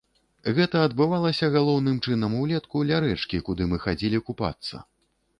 Гэта адбывалася галоўным чынам улетку ля рэчкі, куды мы хадзілі купацца.